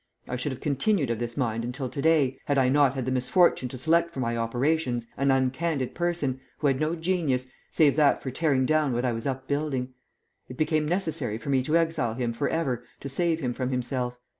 I should have continued of this mind until to day had I not had the misfortune to select for my operations an uncandid person, who had no genius, save that for tearing down what I was up building. It became necessary for me to exile him for ever to save him from himself.